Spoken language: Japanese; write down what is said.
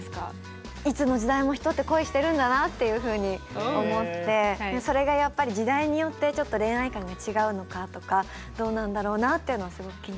いつの時代も人って恋してるんだなっていうふうに思ってそれがやっぱり時代によってちょっと恋愛観が違うのかとかどうなんだろうなっていうのはすごく気になります。